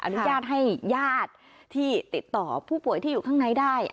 อนุญาตให้ญาติที่ติดต่อผู้ป่วยที่อยู่ข้างในได้